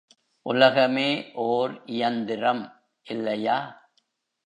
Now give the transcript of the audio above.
உலகமே ஓர் இயந்திரம், இல்லையா?